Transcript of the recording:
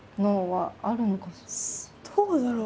どうだろう？